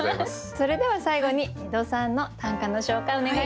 それでは最後に江戸さんの短歌の紹介お願いします。